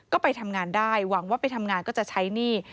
ก็ไปทำงานได้หวังว่าไปทำงานก็จะใช้หนี้